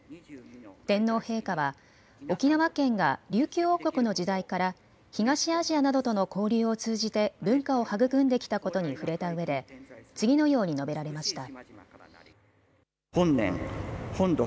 天皇陛下は沖縄県が琉球王国の時代から東アジアなどとの交流を通じて文化を育んできたことに触れたうえで次のように述べられました。